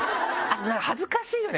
恥ずかしいよね